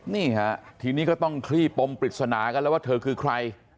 นี่ฮะทีนี้ก็ต้องคลี่ปมปริศนากันแล้วว่าเธอคือใคร